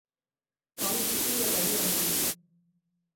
講意思有鬼用